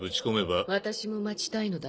私も待ちたいのだ。